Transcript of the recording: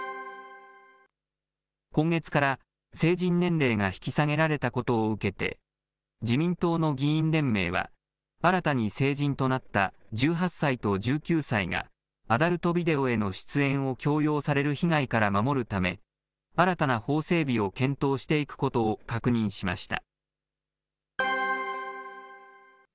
今月から成人年齢が引き下げられたことを受けて、自民党の議員連盟は、新たに成人となった１８歳と１９歳が、アダルトビデオへの出演を強要される被害から守るため、新たな法整備を検討していくことを確認しました。